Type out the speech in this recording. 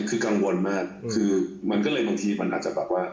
คือกังวลมากคือมันก็เลยบางทีมันอาจจะแบบว่า